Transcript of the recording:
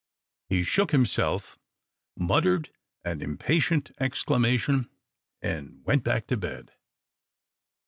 He shook himself, muttered an impatient exclamation, and went back to bed.